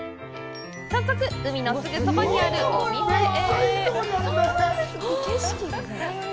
早速、海のすぐそばにあるお店へ！